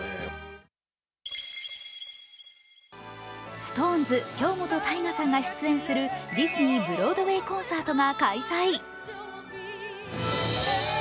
ＳｉｘＴＯＮＥＳ・京本大我さんが出演するディズニー・ブロードウェイコンサートが開催。